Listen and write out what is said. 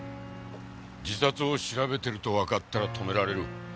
自殺を調べてるとわかったら止められる。